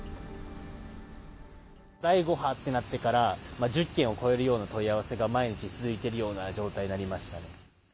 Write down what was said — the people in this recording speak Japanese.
第５波になってから、１０件を超えるような問い合わせが毎日続いているような状態にな